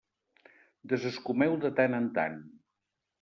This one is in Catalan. Desescumeu de tant en tant.